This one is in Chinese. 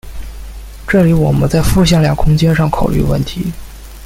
这里我们在复向量空间上考虑问题。